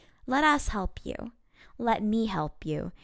Let us help you. Let me help you.